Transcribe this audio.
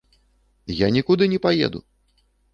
Я нікуды не паеду.